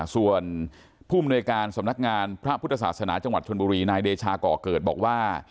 ส่วนผู้มนวยการสำนักงานพระพุทธศาสนาจังหวัดชนบุรีนายเดชาก่อเกิดบอกว่า